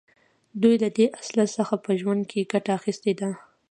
دوی له دې اصل څخه په خپل ژوند کې ګټه اخیستې ده